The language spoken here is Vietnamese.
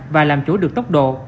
và làm chỗ được tốc độ